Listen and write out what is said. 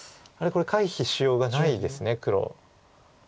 これ回避しようがないです黒。